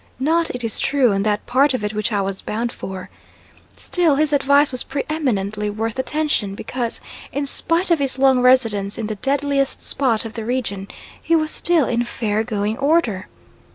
Not, it is true, on that part of it which I was bound for. Still his advice was pre eminently worth attention, because, in spite of his long residence in the deadliest spot of the region, he was still in fair going order.